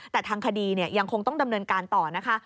แต่ทางคดียังคงต้องดำเนินการต่อนะคะ